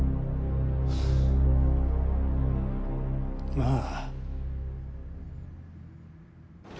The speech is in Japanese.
まあ。